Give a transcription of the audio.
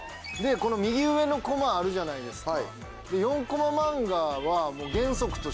この右上のコマあるじゃないですか。